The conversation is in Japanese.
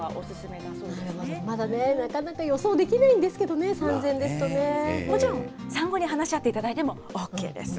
なるほど、まだね、なかなか予想できないんですけどね、産前もちろん産後に話し合っていただいてもＯＫです。